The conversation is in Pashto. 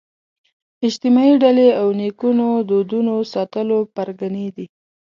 اجتماعي ډلې او نیکونو دودونو ساتلو پرګنې دي